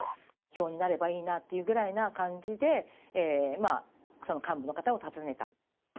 票になればいいなというぐらいの感じで、その幹部の方を訪ねた。